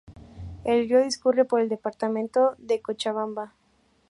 El río discurre por el departamento de Cochabamba.